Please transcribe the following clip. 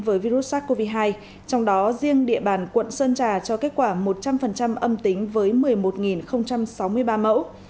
với virus sars cov hai trong đó riêng địa bàn quận sơn trà cho kết quả một trăm linh âm tính với một mươi một sáu mươi ba mẫu